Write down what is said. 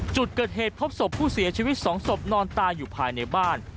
จุดเกิดเหตุพบศพผู้เสียชีวิต๒ศพนอนตายอยู่ภายในบ้าน